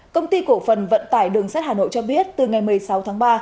công ty cổ phần vận tải đường sắt hà nội cho biết từ ngày một mươi sáu tháng ba